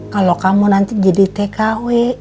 kalau kamu nanti jadi tkw